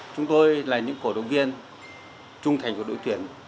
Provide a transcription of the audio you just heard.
chúng tôi là những cổ động viên trung thành của đội tuyển